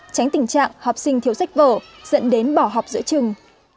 tránh tình trạng học sinh thiếu sách vở dẫn đến bỏ học giữa trường